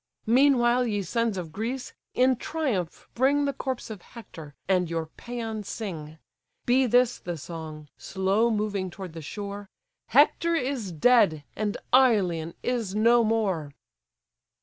Meanwhile, ye sons of Greece, in triumph bring The corpse of Hector, and your pæans sing. Be this the song, slow moving toward the shore, "Hector is dead, and Ilion is no more.""